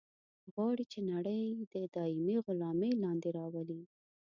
غواړي چې نړۍ د دایمي غلامي لاندې راولي.